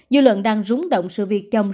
dư luận đang rúng động sự việc chồng